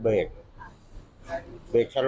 พี่เกียจพูดดวยแล้วจะจัดทาง